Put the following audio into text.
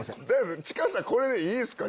近さこれでいいですか？